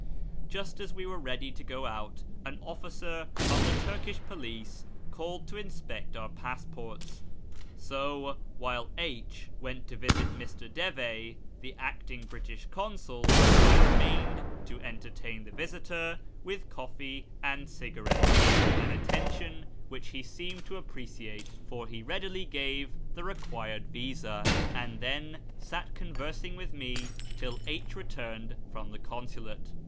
Just as we were ready to go out, an officer of the Turkish police called to inspect our passports, so, while H went to visit Mr. Devey, the acting British Consul, I remained to entertain the visitor with coffee and cigarettes — an attention FROM ENGLAND TO THE PERSIAN FRONTIER 33 which he seemed to appreciate, for he readily gave the required visa, and then sat conversing with me till H returned from the consulate.